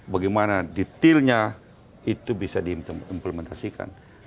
bagaimana detailnya itu bisa diimplementasikan